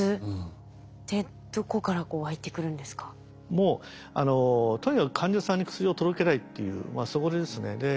もうとにかく患者さんに薬を届けたいっていうそこですね。